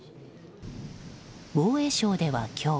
防衛省では、今日。